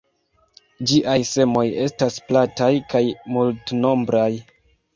Ĝiaj semoj estas plataj kaj multnombraj.